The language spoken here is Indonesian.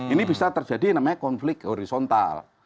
ini bisa terjadi namanya konflik horizontal